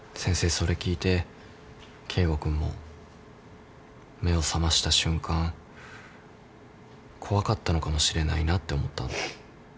それ聞いて圭吾君も目を覚ました瞬間怖かったのかもしれないなって思ったの。